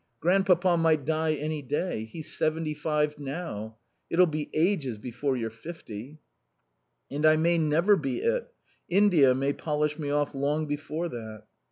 Grandpapa might die any day. He's seventy five now. It'll be ages before you're fifty." "And I may never be it. India may polish me off long before that."